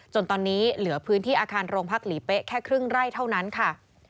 จนตอนนี้เหลือพื้นที่อาคารโรงพักหลีเป๊ะแค่ครึ่งไร่เท่านั้นค่ะ